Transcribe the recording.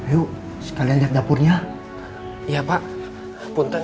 yuk sekalian dapurnya ya pak punter